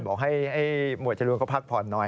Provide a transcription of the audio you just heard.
บอกให้หมวดจริงบอคพลักพรหน่อย